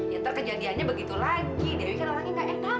ya ntar kejadiannya begitu lagi dewi kata lagi gak enak